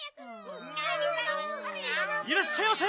いらっしゃいませ！